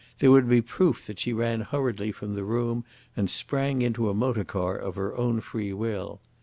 There would be proof that she ran hurriedly from the room and sprang into a motor car of her own free will.